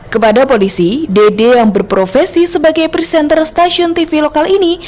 kepada polisi dede yang berprofesi sebagai presenter stasiun tv lokal ini